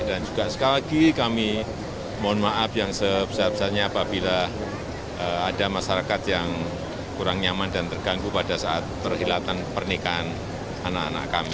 juga sekali lagi kami mohon maaf yang sebesar besarnya apabila ada masyarakat yang kurang nyaman dan terganggu pada saat perhilatan pernikahan anak anak kami